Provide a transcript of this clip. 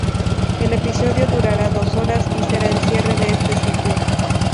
El episodio durará dos horas y será el cierre de este ciclo.